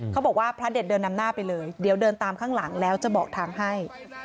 เขาบอกว่าพระเด็ดเดินนำหน้าไปเลยเดี๋ยวเดินตามข้างหลังแล้วจะบอกทางให้